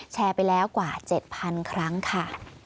แชร์ไปแล้วกว่า๗๐๐ครั้งค่ะ